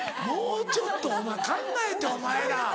もうちょっと考えてお前ら。